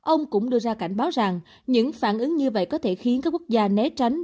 ông cũng đưa ra cảnh báo rằng những phản ứng như vậy có thể khiến các quốc gia né tránh